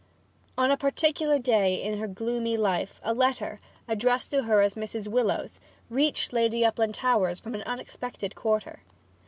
On a particular day in her gloomy life a letter, addressed to her as Mrs. Willowes, reached Lady Uplandtowers from an unexpected quarter.